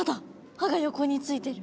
歯が横についてる。